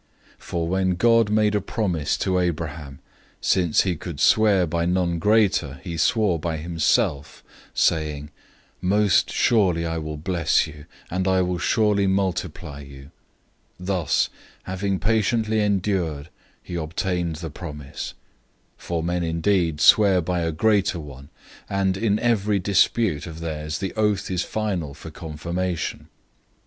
006:013 For when God made a promise to Abraham, since he could swear by none greater, he swore by himself, 006:014 saying, "Surely blessing I will bless you, and multiplying I will multiply you."{Genesis 22:17} 006:015 Thus, having patiently endured, he obtained the promise. 006:016 For men indeed swear by a greater one, and in every dispute of theirs the oath is final for confirmation.